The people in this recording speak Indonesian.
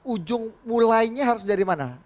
ujung mulainya harus dari mana